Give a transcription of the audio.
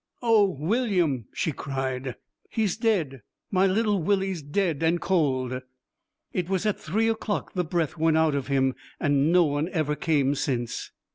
'O William,' she cried, 'he's dead; my little Willie's dead and cold. It was at three o'clock the breath went out of him, and no one ever came since.'